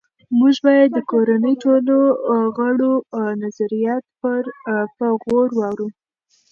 موږ باید د کورنۍ ټولو غړو نظریات په غور واورو